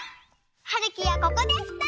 はるきはここでした。